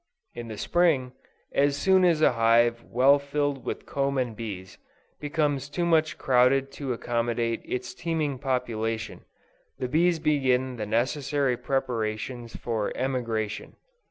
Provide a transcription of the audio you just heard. In the Spring, as soon as a hive well filled with comb and bees, becomes too much crowded to accommodate its teeming population, the bees begin the necessary preparations for emigration.